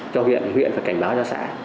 cho huyện thì huyện phải cảnh báo cho xã